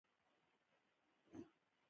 کتابونه د پوهې د لېږد غوره وسیله ده.